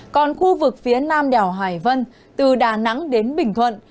còn khu vực phía nam đèo hải vân từ đà nẵng đến bình thuận